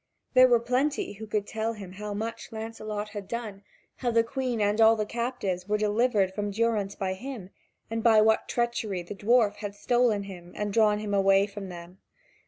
There were plenty who could tell him how much Lancelot had done, how the Queen and all the captives were delivered from durance by him, and by what treachery the dwarf had stolen him and drawn him away from them.